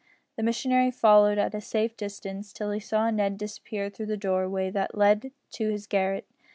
The missionary followed at a safe distance till he saw Ned disappear through the doorway that led to his garret.